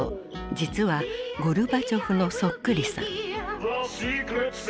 実はゴルバチョフのそっくりさん。